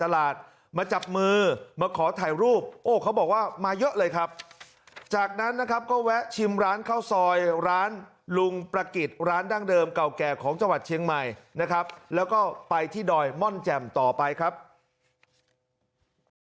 ผลเอกประยุจจันทร์โอชาญนายกัธมนตรีนะครับผลเอกประยุจจันทร์โอชาญนายกัธมนตรีนะครับผลเอกประยุจจันทร์โอชาญนายกัธมนตรีนะครับผลเอกประยุจจันทร์โอชาญนายกัธมนตรีนะครับผลเอกประยุจจันทร์โอชาญนายกัธมนตรีนะครับผลเอกประยุจจันทร์โอชาญนายกัธมนตรีนะครับผลเอกประยุจจั